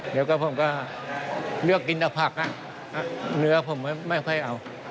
เดี๋ยวก็ผมก็เลือกกินแต่ผักเนื้อผมไม่ค่อยเอา